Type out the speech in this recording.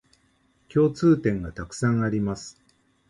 共通点がたくさんあります